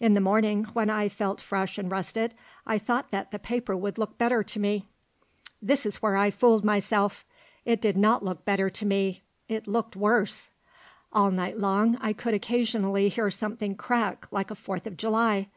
In the morning, when I felt fresh and rested, I thought that the paper would look better to me. There is where I fooled myself. It did not look better to me. It looked worse. All night long I could occasionally hear something crack like a Fourth of July.